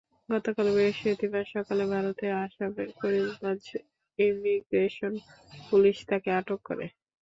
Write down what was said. গতকাল বৃহস্পতিবার সকালে ভারতের আসামের করিমগঞ্জ ইমিগ্রেশন পুলিশ তাঁকে আটক করে।